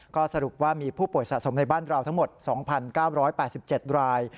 ก็สรุปว่ามีผู้ป่วยสะสมในบ้านเราทั้งหมด๒๙๘๗ราย